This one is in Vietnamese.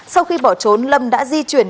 sau khi bỏ trốn lâm đã di chuyển